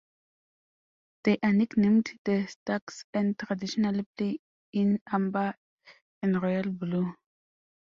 They are nicknamed The Stags and traditionally play in amber and royal blue.